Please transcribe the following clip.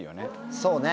そうね。